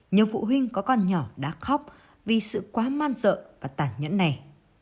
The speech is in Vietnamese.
nhiều phụ huynh có con nhỏ đã khóc vì sự quá man dợ và tàn nhẫn này